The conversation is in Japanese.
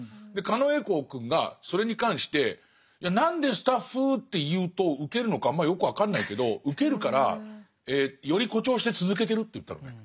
狩野英孝くんがそれに関して「いや何でスタッフゥって言うとウケるのかあんまよく分かんないけどウケるからより誇張して続けてる」って言ったのね。